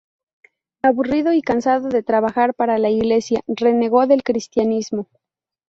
Aburrido y cansado de trabajar para la iglesia, renegó del cristianismo.